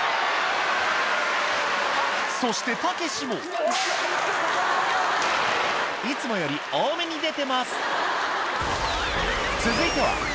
そしてたけしもいつもより多めに出てます